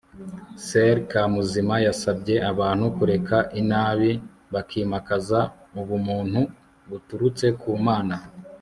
soeur kamuzima yasabye abantu kureka inabi bakimakaza ubumuntu buturutse ku mana